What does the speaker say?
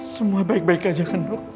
semua baik baik aja kan dok